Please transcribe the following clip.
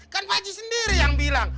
kan pak haji sendiri yang bilang